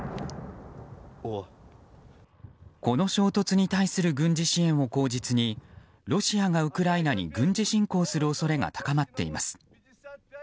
この衝突に対する軍事支援を口実にロシアがウクライナに軍事侵攻する恐れが高まっています。